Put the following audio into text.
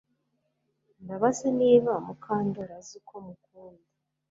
Ndabaza niba Mukandoli azi uko mukunda